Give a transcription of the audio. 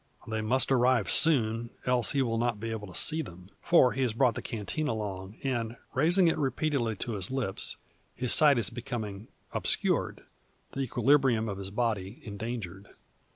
They must arrive soon, else he will not be able to see them. For he has brought the canteen along, and, raising it repeatedly to his lips, his sight is becoming obscured, the equilibrium of his body endangered.